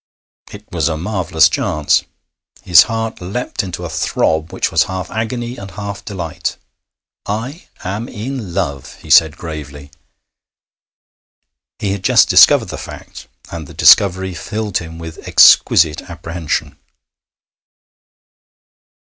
It was a marvellous chance. His heart leapt into a throb which was half agony and half delight. 'I am in love,' he said gravely. He had just discovered the fact, and the discovery filled him with exquisite apprehension.